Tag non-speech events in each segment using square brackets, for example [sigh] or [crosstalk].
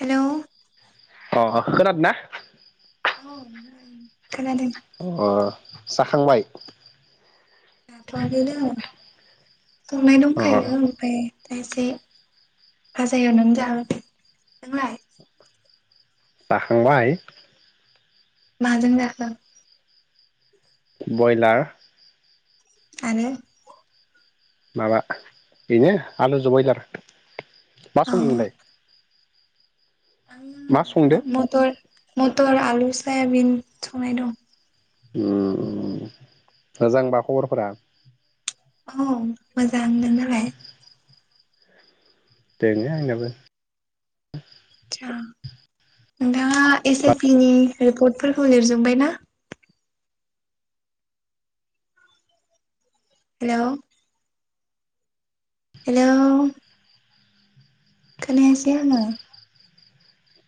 हेल' अ' खोनादों ना [inaudible] अ' जाखांबाय जाथ' आखैनो संनाय अ दंखायो ओमफ्राय दा एसे भाजा एवनानै जागोन नोंलाय? जाखांबाय माजों जाखो? बयलार आरो माबा बेनो आलु जों बयलार मा अ संदों नोंलाय? आङो मा मटर मटर आलु सयाबिन संनाय दं ओम मोजांबा खबरफोरा औ मोजां नोंनालाय? दोङो आंनियाबो। आदसा नोंथाङा एस ए पि नि रिपर्टफोरखौ लिरजोबबाय ना? हेल' हेल' खोनायासै आङो।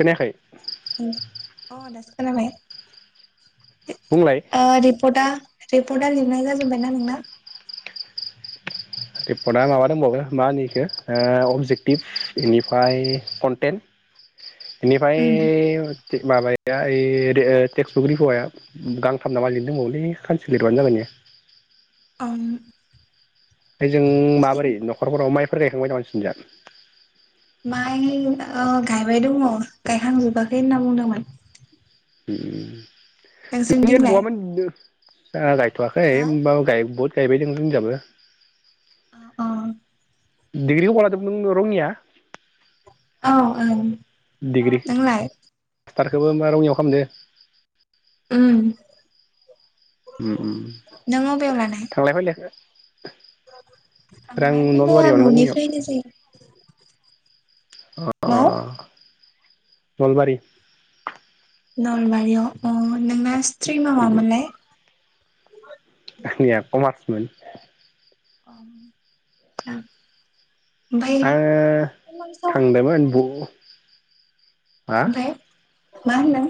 खोनायाखै। ओम अ दासो खोनाबाय। बुंलाय ओ रिपर्टआ रिपर्टआ लिरनाय जाजोबबायना नोंना? रिपर्टआ माबा दंबावो मा होनो इखो ओ अबजेक्टिभ बेनिफ्राय कन्टेन बेनिफ्राय उम माबाया ओइ टेक्स' [unintelligible] गांथाम ना मा लिरनो दोंबावोलै सानसे लिरबानो जागोन इयो। आं ओजों माबोरै नखरफोराव माइ फोर गायखांबाय नामा नोंसिनिजा? माइ ओ गायबाय दङ गायखांजोबाखै होनना बुंदोंमोन। ओम [unintelligible] नोंसोरनिथिंलाय जोङा गाय थ'वाखै हो ओमबाबो गायबुद। गायबाय दों जोंनिजाबो ओ अ दिडिग्रिखौ बहा लादोंमोन नों रंङिया? औ ओं डिग्रि नोंलाय? मास्टारखौबो ओमबा रङियाव खामदो? ओम ओम ओम अबेयाव लानाय थांलाय फैलाया आं आंलाय जोंना नलबारियावनो [unintelligible] न'निफ्रायनो मा? नलबारि। नलबारियाव अ नोंना स्त्रिमा मामोनलाय? आंनिया कमार्समोन। [unintelligible] आङो कमार्सआव। थांदोंमोन बु हा ओमफ्राय मा होनदों?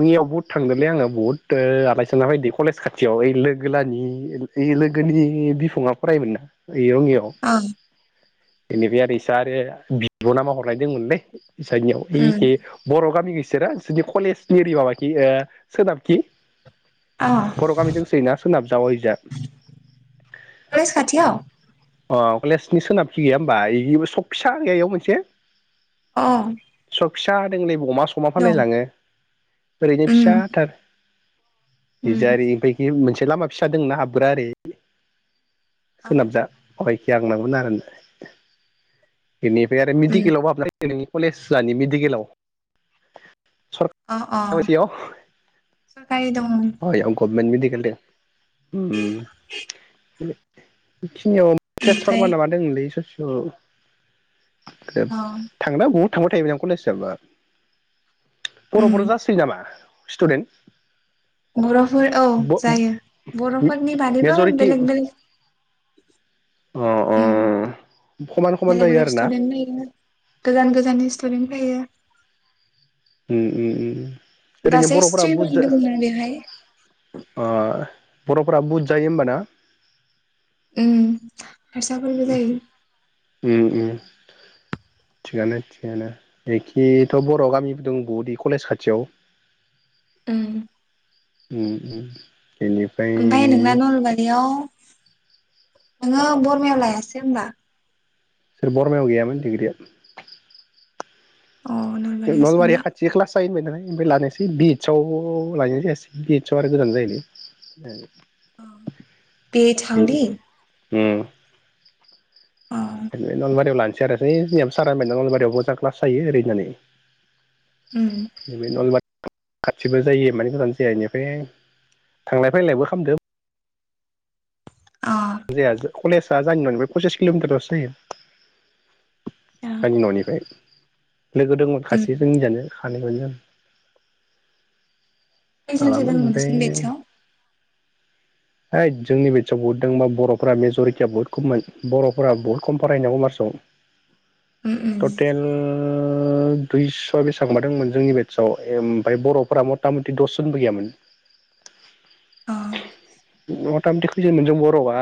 रङियाव बुहुद थाङोलै आङो बुहुद ओ आलासिजाना फैदो आङो कलेज खाथियाव ओइ लोगोलानि ओइ लोगोनि बिफङा फरायोमोन ना। इयाव रंङियाव। अ बेनिफ्राय आरो इसा आरो बिब ना मा हरनाय दोंमोनलै। बिसानियाव उम ओइखि बर' गामि बिसोरा जुदि कलेजनि ओरि माबाखि सोनाबखि अ बर' गामि दंसोयो ना सोनाब जा अयजा कलेज खाथियाव अह कलेजनि सोनाबथि गैया ओमबा ओइ सक फिसा इयाव मोनसे औ सक फिसा दंलै अमा समा फानलायलाङो ओरैनो उम फिसा थार उम बिजारि बैखि मोनसे लामा फिसा दंना हाबग्रा ओरै अ सोनाबजा अ इखि हाबनांगोन आरो न बेनिफ्राय आरो उम मेडिकेलावबो हाबबाय बे नोंनि कलेज जानि मेडिकेलाव सरकारियाव ओमफाय दङ हावायाव गभमेन्ट मिदिकेल दङ उम [unintelligible] खिनियाव तेसपर्मा ओमफ्राय ना मा दंमोनलै ससे ओह अ थांना बहुत थांबाय थायो आं बे कलेजावबा बर' उम बर' जासोयो नामा स्टुडेन्ट बर'फोर औ जायो बर'फोरनि बादैबो मेजरिटि बेलेग बेलेग अ अ उम खमान खमान बेलेग जायो बेलेग आरोना स्टुदेन्ट फैयो गोजान गोजाननि स्टुदेन्ट फैयो। उम उम उम। ओरैनो गासै बर'फोरा स्ट्रिम बुथजा दंमोन बेवहाय ओह। बर'फोरा बुदजायो होमबाना? उम। हारसाफोरबो जायो। उम उम थिगानो थिगानो एखेथ' बर' गामिबो दं बदि कलेज खाथियाव। उम। उम उम। बेनिफ्राय ओमफाय नोंना नलबारियाव। नोङो बरमायाव लायासै होनबा? सोर बरमायाव गैयामोन दिग्रिया। अ नलबारियावसो नलबारिया ना खाथि खाल्स बिदि होनबाय ओमफाय लानायसै बि इडसआव लानाय जायासै बि इडस आव आरो गोजान जायोलै। औ बे थांदि ओम। [unintelligible] नलबारियाव लानोसै आरो जोंनियाबो सारा होनबाय नलबारियावबो मोजां क्लास जायो ओरै होननानै। उम [unintelligible] खाथिबो जायो मानि गोजान जाया ओमफाय थांलाय फैलायबो खालामदो। अ आतसा जाया जा कलेज आ जाहानि न'निफ्राय फनसास किल'मिटारलसो जायो। आंनि न'निफ्राय। लोगो दंमोन उम खासे जोंनिजानो [unintelligible] बेसांसो माबामोन दङ ओमफ्राय नोंसिनि बेदसआव? हैद जोंनि बेटसआव बहुद दंबा बर'फोरा मेज'रिटिया बहुत खममोन बर'फोरा बहुद खम फरायो कमरसआव उम उम टटेल ओ दुइस' बेसेबां दोंमोन जोंनि बेटसआव ओमफ्राय बर'फोरा मथा मथि दसजनबो गैयामोन। अ मथा मथि खैजोन जों बर'आ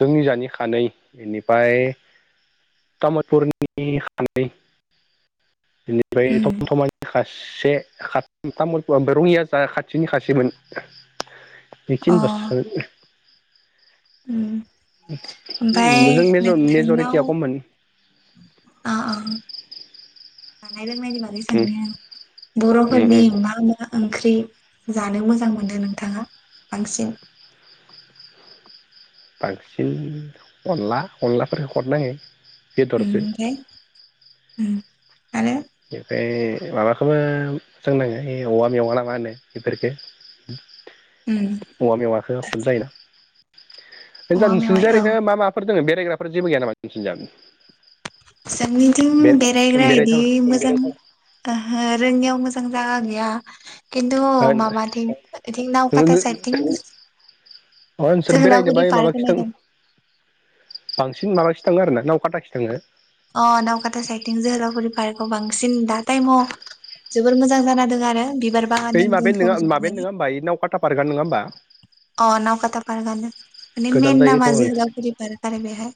जोंनि जानि खानै इनिफ्राय तामुलपुरनि खानै। बेनिफ्राय उम थम थमानि खासे तामुलपुर ओमफ्राय रङिया जा खाथिनि खासेमोन। अ बेखिनिलसो। उम ओमफ्राय जों नोंथांनाव मेज-मेजरिटिया खममोन। रोंनायनि बागै उम सोंनोनाया उम बर'फोरनि उम मा मा ओंख्रि? जानो मोजां मोनो नोंथाङा बांसिन बांसिन अनला अनलाफोरफोरखौ खथनाङो। उम माने बेनिफ्राय माबाखौबो मोजांनाङो औवा मेवा ना मा होनो बेफोरफोरखौ उम औवा मेवखौ खम जायोना औवा मेवाइ नोंसोरनिज औ ओरैनो मा माफोर दोङ बे रायग्रा जेबो गैया नामा नोंसि जा? जोंनिथिं बेरायग्रा इदि बेरायथावना मोजां ओहो रोङियाव मोजां जागा गैया। खिन्थु अ माबाथिं इथिं नावकाता साइदथिं नोंसोर बेरायनो जोहोलावफुरि बाय पार्क माबाखि होनाय थां दं। बांसिन माबाखि थाङो आरोना नावकाटाखि थाङो। अ नावकाथा साइटिं जोहोलाव फुरि फार्कगाव बांसिन दा टाइमाव जोबोर मोजां जाना आरो बि बै माबायानो नोंङा माबायानो नोङा होमबा इ नावकाटा पार्टिआ नङा होमबा अ नावकाता पार्कआनो माने गोजान मेन जायोथ' नामा अ जोहोलावफुरि पार्क आरो बेहाय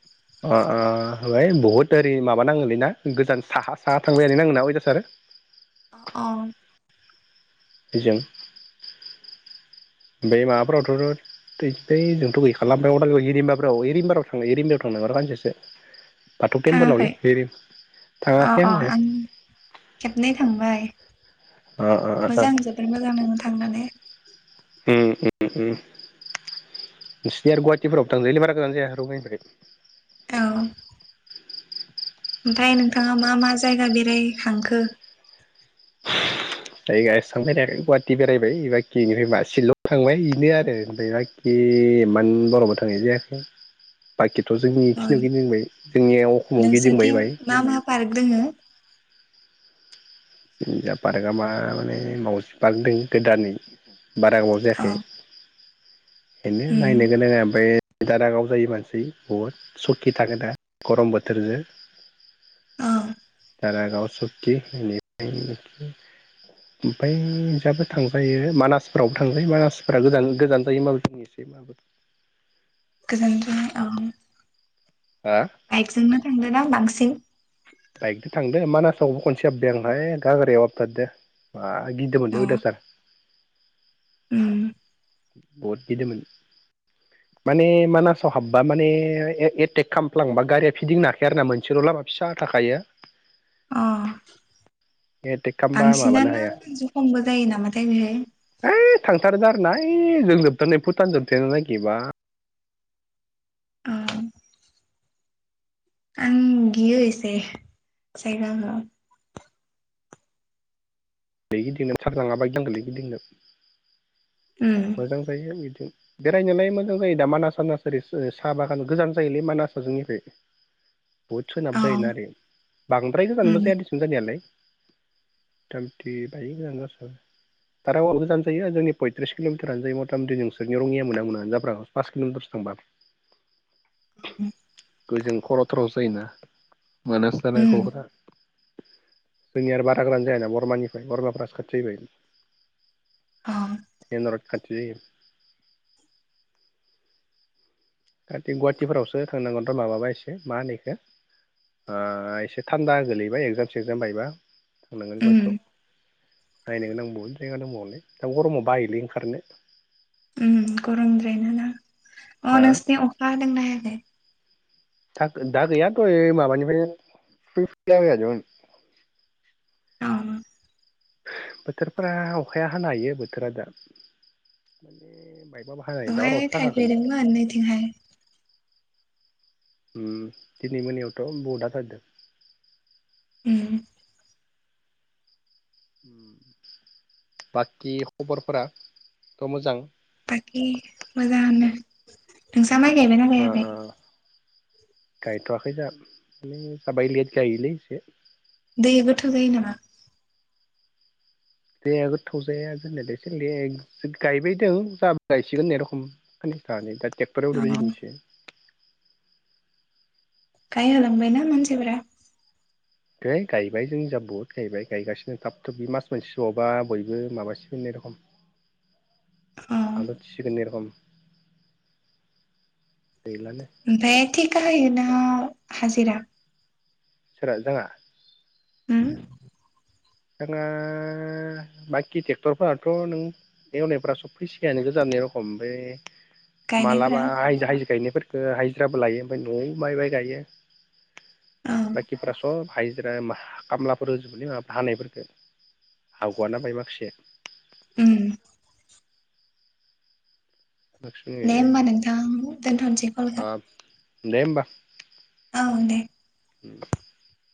अ बहुद ओरै माबा नाङोलै ना गोजान साहा साहा थांबायालै नांङो ना अयदासार अ अ। इजों बे माबाफोरावथ' ओयजों जोंथ' गैखाला ओमफ्राय अदालगुरि हिरिमबारफ्राव हिरिबाराव थां हिरिम्बाराव थांनागो र' खानसेसो। बाथौ थाङाखै टेम्पोलावलै बे अ थाङाखै अ आङो। आं खेबनै थांबाय अ अ अ मोजां जोबोद मोजां नांङो। थांनानै। उम उम उम नोंसिनि आरो गुवाहाटिफोराव थांजायोलै बारा गोजान जाया रंगियानिफ्राय औ। ओमथाय नोंथाङा मा मा जायगा बेरायहांखो? जायगा एसांं बेरायाखै गुवाहाटि बेरायबाय बाखि इनिफ्राय मा सिलंआव थांबाय बेनो आरो ओमफ्राय बाखि इमान बर'बो थांनाय जायाखै बाखि बाखिथ' अ जोंनिखिनियाव गिदिंबाय जोंनिया अखमाव गिदिंबाय नोंसोरथिं बाहाय। मा मा पार्क दोङो जा पार्कआ मा माने मावजि पार्क दं गोदानै बारा गोबाव औ जायाखै। बेनो उम नायनो गोनाङा ओमफ्राय दारागाव जायो मानसि बुहुद सखि थाङो दा गरम बोथोरजो। औ दारागाव सकि इनिफ्राय ओमफ्राय इजाबो थांजायो मानासफोरावबो थांजायो मानासफोरा गोजान जायो माबेखि एसे [inaudible] गोजानजों औ हा बाइकजोंनो थांदोना बां सिन। बाइकजों थांदो मानासावबो खनसे हाबबाय आं हाय गाग्रायाव हाबथारदो बा अ गिदोमोनलै अथदासार। उम बहुद गिदोंमोन माने मानासाव हाबबा माने एटेक खालामफ्लांबा गारिया फिदिंनो हाखाया आरोना मोनसेल' लामा फिसा थाखायो। अ। एटेक खालामबा माबानो बांसिनानो हाया जुखमबो जायो नामाथाय बेहाय। थांथारदो आरोना ओयजों भुटान जोबथारनाय लागि बा। अ आं गियो एसे जायगाखो। उम [unintelligible] मोजां जायो बिदि बेरायनोलाय मोजां जायो दा मानास सानास ओरै साहा बागान गोजान जायोलै मानासाजोंनिफ्राय। बुहुद सोनाब औ जायोना ओरै बांद्राय गोजानबो उम जाया देसुन जानायालाय। [unintelligible] इथि बाहाय गोजान जासाबो दारागावा गोजान जायो जोंनि पयथ्रिस किल'मिटारानो जायो मथा मथि नोंसोरनि रङिया मोनहां मोनहांआमोन जाफ्रामो पास किल'मिटारसो थांबानो ओजों खर' थारावसो जायोना। मानास जानाय [unintelligible] उम जोंनिया आरो बारा गोजान जाया ना बरमानि बरमाफोरासो खाथि जाहैबाय। औ खाथि जायो खाथि गुवाहाटिफोरावसो थांनांगोन र माबाबा एसे मा होनो इखो ओ एसे थान्दा गोलैबाय एगजाम सेक्जाम बायबा थांनांगोन उम गुवाहाटियाव नायनो गोनां बहुत जायगा दंबावोलै दा गरमाव बायोलै ओंखारनो उम गरमद्रायना ना अ हा नोंसिना अखा हादोंना हायाखै [unintelligible] था दा गैया दहाय माबानिफ्रायनो [unintelligible] औ बोथोरफोरा अखाया हानो हायो बोथोरा दा माने मायबा बेवहाय थायफ्रिदोंमोन नैथिंहाय उम दिनै मोनायावथ बहुद हाथारदों उम बाकि खबरफोराथ मोजां बाकि मोजांआनो नों हा माय गायबाय ना ओ गायाखै ओ गायथवाखै जा माने जा बाय लेट गायोलै एसे दैया गोथौ जायो नामा दैया गोथौ जाया जानायालाय एसे लेट गायबायदों जाबो गायसिगोन होननाय रखम खाननैसो थानानै दा टे अ एवदो दिनैसो गाय होलांबायना मानसिफोरा है गायबाय जोंनि जा बहुद गायबाय गायगासिनो थाब थुब बे मास मोनसेसो बावबा बयबो माबासिगोन होननाय रखम अ हाल उथिसिगोन होननाय‌ र खम [inaudible] ओमफाय थिखा होयोना हाजिरा सोरा‌‌ जोंहा उम जोंहा बाखि ट्रेक्टरफोराथ नों एवनायफ सब फैसिगायानो गोजाननि रखम बेफ्राय मालाबा गायनायफोरा आयजो हायजो गायनायफोर हाइजिराबो लायो ओमफ्राय नआव माइ बाइ गायो औ बाखिफोरा सब हाइजिरा होमबा खामलाफोर होजोबोलै माबा हानायफोरखो हागुआना बाय माखासे उम दे होमबा नोथां दोनथनोसै कलखो दे होमबा ओं दे [inaudible]